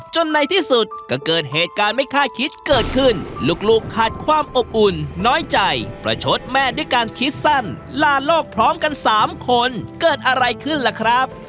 ในที่สุดก็เกิดเหตุการณ์ไม่คาดคิดเกิดขึ้นลูกขาดความอบอุ่นน้อยใจประชดแม่ด้วยการคิดสั้นลาโลกพร้อมกัน๓คนเกิดอะไรขึ้นล่ะครับ